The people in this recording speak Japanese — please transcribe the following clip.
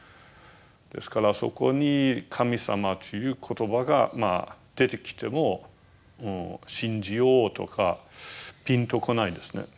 ですからそこに「神様」という言葉がまあ出てきても信じようとかぴんと来ないですね。